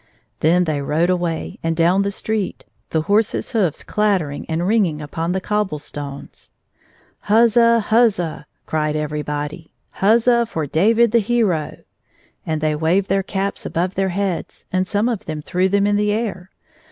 Then they rode away and down the street, the horses' hoofs clattering and ringing upon the cob ble stones. " Huzza ! huzza !" cried everybody; " Huzza for David the hero !" and they waved their caps above their heads, and some of them threw them in the air.